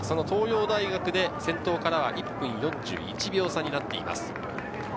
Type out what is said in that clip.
東洋大学で先頭からは１分４１秒差になっています。